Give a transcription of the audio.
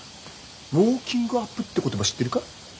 「ウォーキングアップ」って言葉知ってるか？